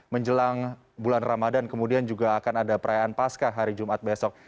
menjelang bulan ramadan kemudian juga akan ada perayaan pasca hari jumat besok